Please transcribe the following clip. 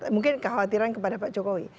mungkin kekhawatiran kepada pak jokowi